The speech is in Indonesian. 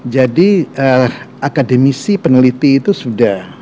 jadi akademisi peneliti itu sudah